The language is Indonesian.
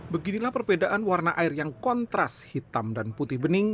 beginilah perbedaan warna air yang kontras hitam dan putih bening